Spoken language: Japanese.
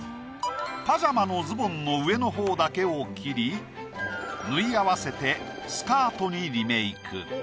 パジャマのズボンの上のほうだけを切り縫い合わせてスカートにリメイク。